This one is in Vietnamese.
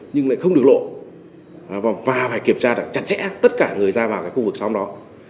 nhưng lại không được lộ và phải kiểm tra chặt chẽ tất cả người ra vào cái khu vực xóm đó